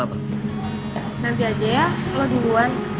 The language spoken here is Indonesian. nanti aja ya kalau duluan